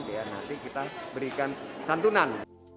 biar nanti kita berikan santunan